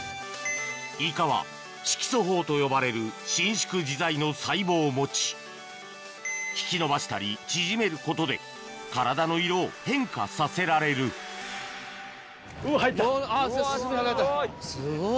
イカは色素胞と呼ばれる伸縮自在の細胞を持ち引き伸ばしたり縮めることで体の色を変化させられる墨吐かれたすごい。